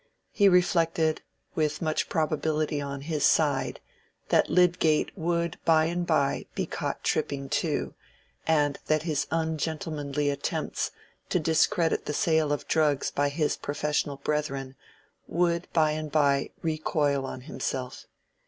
He reflected, with much probability on his side, that Lydgate would by and by be caught tripping too, and that his ungentlemanly attempts to discredit the sale of drugs by his professional brethren, would by and by recoil on himself.